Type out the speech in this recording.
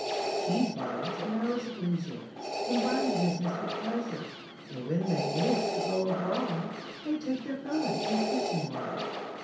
Cheese buyers in hours of leisure Combine business with pleasure, And when they wish to go abroad They take their gun and fishing rod.